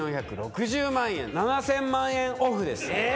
２４６０万円７０００万円ＯＦＦですよ